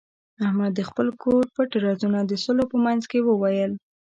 احمد د خپل کور پټ رازونه د سلو په منځ کې وویل.